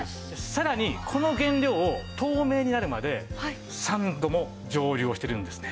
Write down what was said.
さらにこの原料を透明になるまで３度も蒸留をしてるんですね。